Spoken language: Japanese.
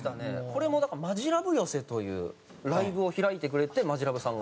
これもだから「マヂラブ寄席」というライブを開いてくれてマヂラブさんが。